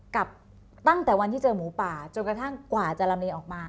กับตั้งแต่วันที่เจอหมูป่าจนกระทั่งกว่าจะลำเลียออกมา